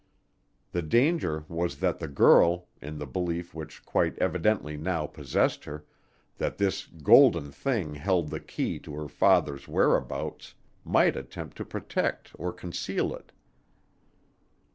The danger was that the girl, in the belief which quite evidently now possessed her that this golden thing held the key to her father's whereabouts might attempt to protect or conceal it.